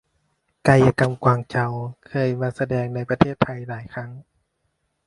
กายกรรมกวางเจา เคยมาแสดงในประเทศไทยหลายครั้ง